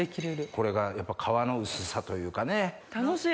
これが皮の薄さというかね。